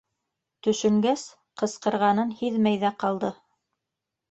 Төшөнгәс, ҡысҡырғанын һиҙмәй ҙә ҡалды: